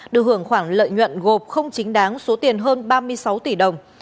được hưởng khoảng lợi nhuận gộp không chính đáng số tiền hơn ba mươi sáu tỷ đồng